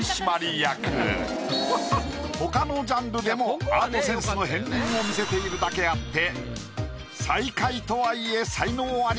他のジャンルでもアートセンスの片りんを見せているだけあって。